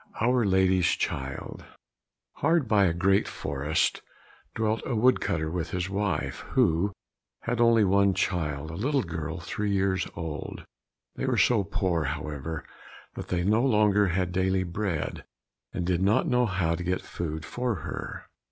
3 Our Lady's Child Hard by a great forest dwelt a wood cutter with his wife, who had an only child, a little girl three years old. They were so poor, however, that they no longer had daily bread, and did not know how to get food for her.